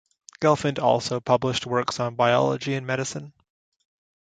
Gelfand also published works on biology and medicine.